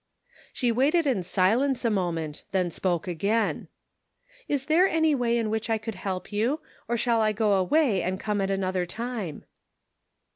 She waited in silence a moment, then spoke again : "Is there any way in which I could help you, or shall I go away and come at another time?"